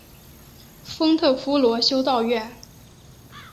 丰特夫罗修道院。